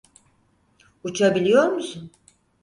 Uçabiliyor musun?